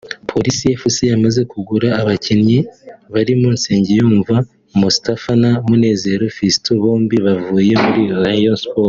Police Fc yamaze kugura abakinnyi barimo Nsengiyumva Moustapha na Munezero Fiston bombi bavuye muri Rayon Sports